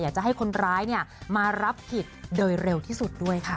จะให้คนร้ายมารับผิดโดยเร็วที่สุดด้วยค่ะ